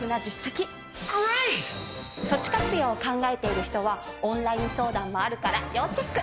土地活用を考えている人はオンライン相談もあるから要チェック！